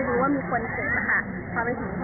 สวัสดีครับ